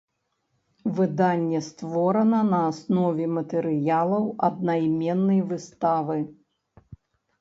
Выданне створана на аснове матэрыялаў аднайменнай выставы.